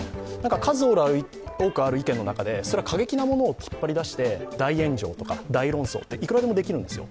数多くある意見の中で、過激なものを引っ張り出して大炎上とか大論争、いくでもだきるんですよ。